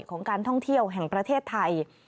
ของการท่องเที่ยวแห่งประเทศไทย